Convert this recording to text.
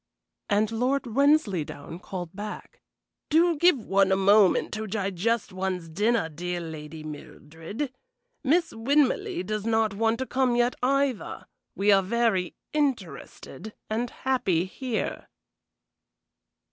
And Lord Wensleydown called back: "Do give one a moment to digest one's dinner, dear Lady Mildred. Miss Winmarleigh does not want to come yet, either. We are very interested and happy here."